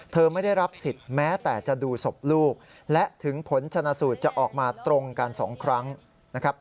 ไม่ได้รับสิทธิ์แม้แต่จะดูศพลูกและถึงผลชนะสูตรจะออกมาตรงกันสองครั้งนะครับ